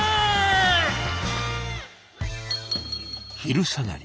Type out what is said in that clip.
昼下がり